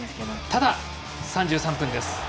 ただ、３３分です。